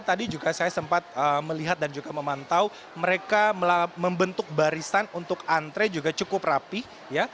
tadi juga saya sempat melihat dan juga memantau mereka membentuk barisan untuk antre juga cukup rapih